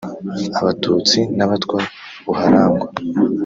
abatutsi n’abatwa buharangwa